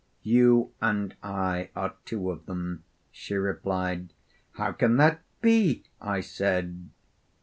'You and I are two of them,' she replied. 'How can that be?' I said.